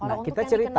nah kita cerita